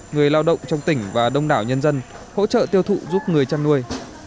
người lao động trong tỉnh và đông đảo nhân dân hỗ trợ tiêu thụ giúp người chăn nuôi